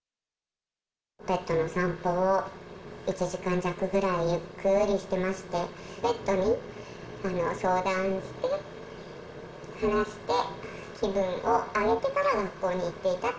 ペットの散歩を１時間弱ぐらいゆっくりしてまして、ペットに相談して、話して、気分を上げてから学校に行っていた。